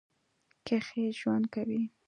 کښې ژؤند کوي